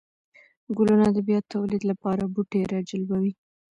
گلونه د بيا توليد لپاره بوټي راجلبوي